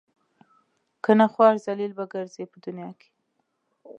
کنه خوار ذلیل به ګرځئ په دنیا کې.